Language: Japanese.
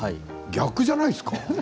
逆じゃないですか？